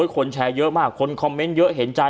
คนแชร์เยอะมากคนคอมเมนต์เยอะเห็นใจ